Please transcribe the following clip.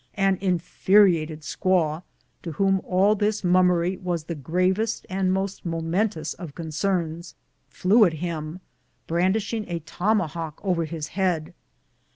An infuriated squaw, to whom all this mummery was the gravest and most mo mentous of concerns, fiew at him, brandishing a toma hawk over his head.